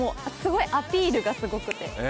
アピールがすごくて。